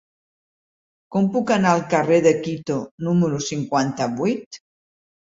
Com puc anar al carrer de Quito número cinquanta-vuit?